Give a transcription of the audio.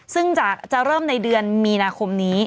ซึ่งจะเริ่มในเดือนมีนาคมนี้